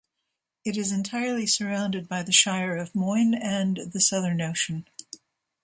It is entirely surrounded by the Shire of Moyne and the Southern Ocean.